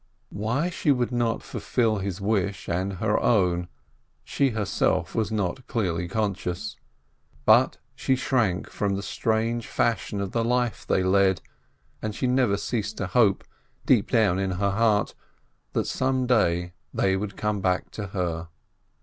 Why she would not fulfil his wish and her own, she herself was not clearly conscious; but she shrank from the strange fashion of the life they led, and she never ceased to hope, deep down in her heart, that some day they would come back to her.